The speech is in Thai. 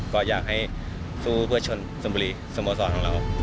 ก็อยากให้สู้เพื่อชนบุรีสโมสรของเรา